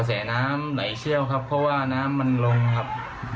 แน้ำไหลเชี่ยวครับเพราะว่าน้ำมันลงครับ